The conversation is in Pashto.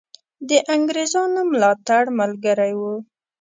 د انګرېزانو ملاتړ ملګری وو.